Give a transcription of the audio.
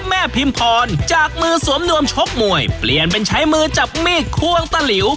พิมพรจากมือสวมนวมชกมวยเปลี่ยนเป็นใช้มือจับมีดควงตะหลิว